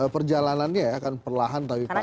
perjalanannya akan perlahan tapi pasti akan